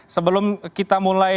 sebelum kita mulai